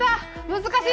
難しい。